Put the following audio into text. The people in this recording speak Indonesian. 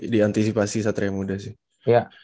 diantisipasi satria muda sih